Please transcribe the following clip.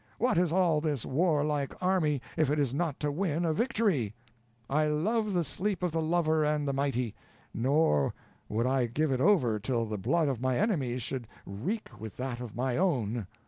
what is all this warlike army, if it is not to win a victory? I love the sleep of the lover and the mighty; nor would I give it over till the blood of my enemies should wreak with that of my own.